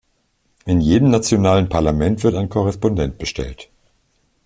In jedem nationalen Parlament wird ein Korrespondent bestellt.